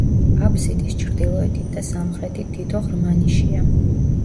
აბსიდის ჩრდილოეთით და სამხრეთით თითო ღრმა ნიშია.